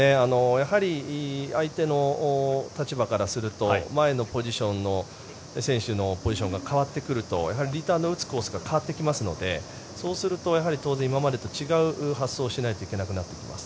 やはり相手の立場からすると前のポジションの選手のポジションが変わってくるとリターンの打つコースが変わってきますのでそうすると当然、今までと違う発想をしないといけなくなってきます。